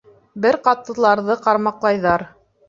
Бер ҡатлыларҙы ҡармаҡлайҙар.